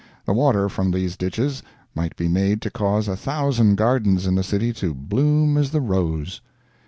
The water from these ditches might be made to cause a thousand gardens in the city to "bloom as the rose."